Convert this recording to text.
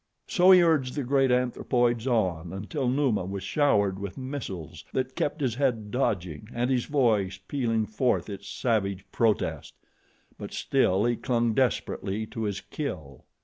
So he urged the great anthropoids on until Numa was showered with missiles that kept his head dodging and his voice pealing forth its savage protest; but still he clung desperately to his kill.